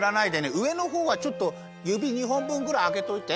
うえのほうはちょっとゆび２本分ぐらいあけといて。